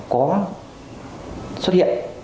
có xuất hiện